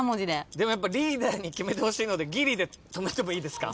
でもやっぱリーダーに決めてほしいのでギリで止めてもいいですか。